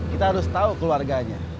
kita harus tau keluarganya